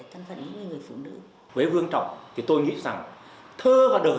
thân phận những người phụ nữ